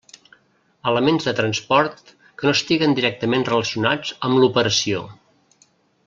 Elements de transport que no estiguen directament relacionats amb l'operació.